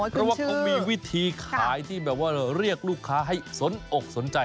เพราะว่าเขามีวิธีขายที่แบบว่าเรียกลูกค้าให้สนอกสนใจ